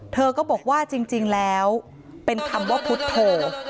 เธอก็บอกว่าจริงแล้วเป็นคำว่าพุทธโธ